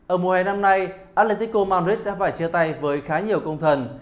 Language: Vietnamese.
ở mùa hè năm nay aletico madrid sẽ phải chia tay với khá nhiều công thần